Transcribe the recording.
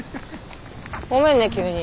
ごめんね急に。